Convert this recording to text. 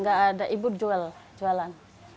nggak ada ibu jualan